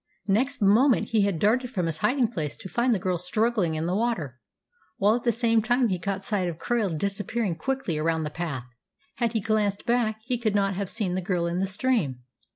Next moment, he had darted from his hiding place to find the girl struggling in the water, while at the same time he caught sight of Krail disappearing quickly around the path. Had he glanced back he could not have seen the girl in the stream.